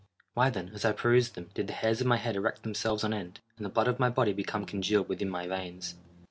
Why then, as I perused them, did the hairs of my head erect themselves on end, and the blood of my body become congealed within my veins?